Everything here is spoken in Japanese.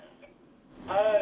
「はい」